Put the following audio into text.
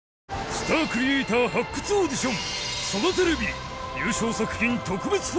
スタークリエイター発掘オーディション